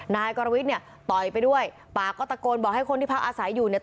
นายกรวิทย์เนี่ยต่อยไปด้วยปากก็ตะโกนบอกให้คนที่พักอาศัยอยู่เนี่ย